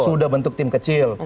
sudah bentuk tim kecil